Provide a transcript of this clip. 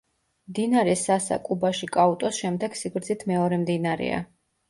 მდინარე სასა კუბაში კაუტოს შემდეგ სიგრძით მეორე მდინარეა.